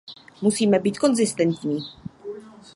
Musíme být konzistentní.